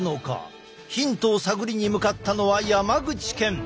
ヒントを探りに向かったのは山口県。